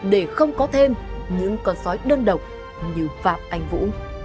để không có thêm những con sói đơn độc như phạm anh vũ